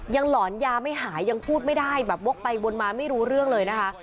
หลอนยาไม่หายยังพูดไม่ได้แบบวกไปวนมาไม่รู้เรื่องเลยนะคะ